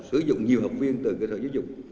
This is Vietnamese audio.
sử dụng nhiều học viên từ cơ sở giáo dục